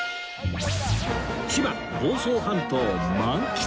千葉房総半島満喫！